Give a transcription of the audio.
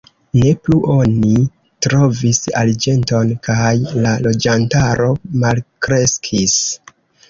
Ne plu oni trovis arĝenton kaj la loĝantaro malkreskis.